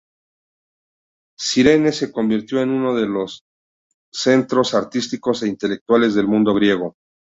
Cirene se convirtió en uno de los centros artísticos e intelectuales del mundo griego.